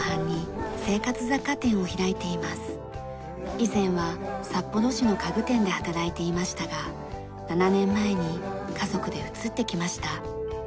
以前は札幌市の家具店で働いていましたが７年前に家族で移ってきました。